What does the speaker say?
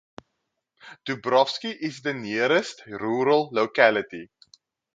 Dubrovsky is the nearest rural locality.